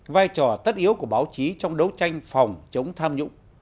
vai trò tất yếu của báo chí trong đấu tranh phòng chống tham nhũng